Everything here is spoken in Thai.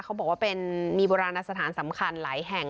เขาบอกว่าเป็นมีโบราณสถานสำคัญหลายแห่ง